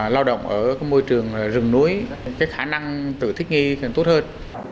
lao động ở môi trường rừng núi cái khả năng tự thích nghi càng tốt hơn